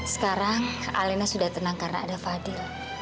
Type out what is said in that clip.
sekarang alena sudah tenang karena ada fadil